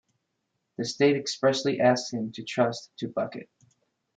The state expressly asks him to trust to Bucket.